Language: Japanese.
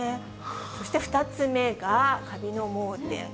そして２つ目が、カビの盲点。